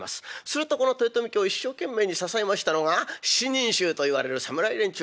するとこの豊臣家を一生懸命に支えましたのが七人衆といわれる侍連中でございます。